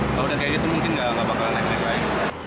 kalau udah kayak gitu mungkin nggak bakalan naik naik